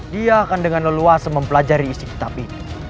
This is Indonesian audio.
dia akan dengan leluasa mempelajari isi kitab itu